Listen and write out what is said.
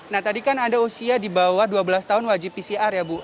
nah tadi kan ada usia di bawah dua belas tahun wajib pcr ya bu